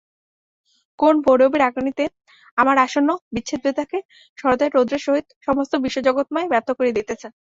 করুণ ভৈরবী রাগিণীতে আমার আসন্ন বিচ্ছেদব্যথাকে শরতের রৌদ্রের সহিত সমস্ত বিশ্বজগৎময় ব্যাপ্ত করিয়া দিতেছে।